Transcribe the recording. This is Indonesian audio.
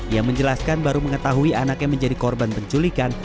ia menjelaskan baru mengetahui anaknya menjadi korban penculikan